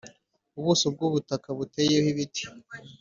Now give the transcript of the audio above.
Ubuso bw ubutaka buteyeho ibiti